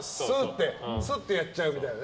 すってやっちゃうみたいな。